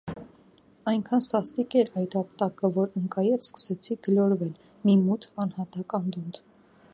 Այնքան սաստիկ էր այդ ապտակը, որ ընկա և սկսեցի գլորվել մի մութ անհատակ անդունդ…